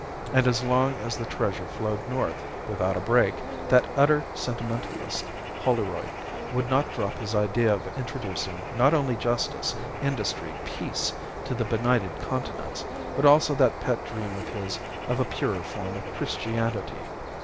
And as long as the treasure flowed north, without a break, that utter sentimentalist, Holroyd, would not drop his idea of introducing, not only justice, industry, peace, to the benighted continents, but also that pet dream of his of a purer form of Christianity.